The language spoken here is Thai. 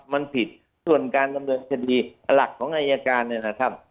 มันผิดส่วนการดำเนินคดีหลักของอายการเนี่ยนะครับ